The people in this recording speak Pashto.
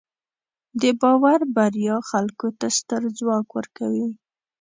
د باور بریا خلکو ته ستر ځواک ورکوي.